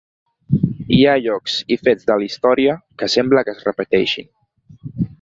Hi ha llocs i fets de la història que sembla que es repeteixin.